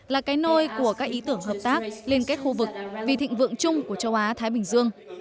là cái nôi của các ý tưởng hợp tác liên kết khu vực vì thịnh vượng chung của châu á thái bình dương